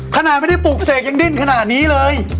ขนาดไม่ได้ปลูกเสกยังดิ้นขนาดนี้เลย